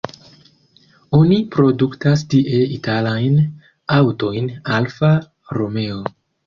Oni produktas tie italajn aŭtojn Alfa Romeo.